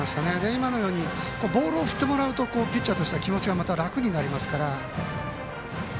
今のようにボールを振ってもらえるとピッチャーとしては気持ちが楽になりますから。